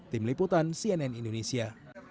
tim liputan cnn indonesia